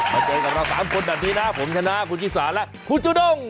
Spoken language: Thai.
มาเจอกันกับเรา๓คนดังนี้นะผมชนะคุณกิสาและคุณจุดง